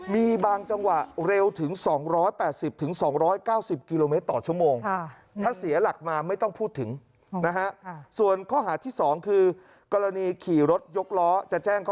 มีบางจังหวะเร็วถึง๒๘๐๒๙๐กิโลเมตรต่อชั่วโมง